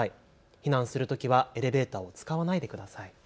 避難するときはエレベーターを使わないでください。